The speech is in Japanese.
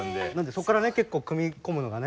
そっからね結構組み込むのがね。